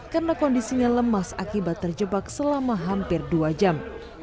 karena kondisinya lemas akibat terjebak selama hampir dua jam